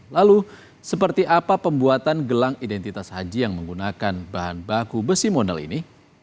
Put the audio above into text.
lalu seperti apa pembuatan gelang identitas haji yang menggunakan bahan baku besi modal ini